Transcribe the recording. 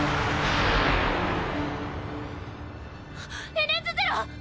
エデンズゼロ！